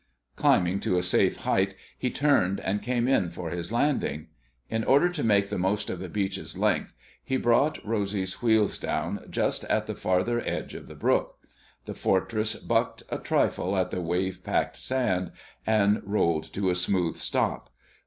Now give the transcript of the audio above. Climbing to a safe height, he turned and came in for his landing. In order to make the most of the beach's length, he brought Rosy's wheels down just at the farther edge of the brook. The Fortress bucked a trifle in the wave packed sand, and rolled to a smooth stop.